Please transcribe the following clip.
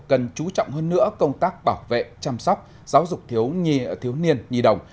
cần chú trọng hơn nữa công tác bảo vệ chăm sóc giáo dục thiếu niên nhi đồng